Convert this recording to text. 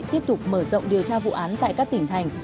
tiếp tục mở rộng điều tra vụ án tại các tỉnh thành